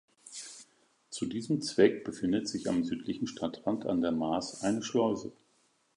Zu diesem Zweck befindet sich am südlichen Stadtrand an der Maas eine Schleuse.